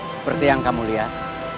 seperti yang kamu lihat